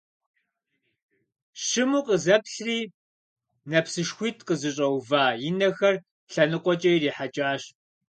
Щыму къызэплъри, нэпсышхуитӀ къызыщӀэува и нэхэр лъэныкъуэкӀэ ирихьэкӀащ.